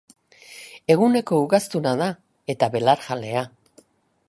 Eguneko ugaztuna da, eta belarjalea.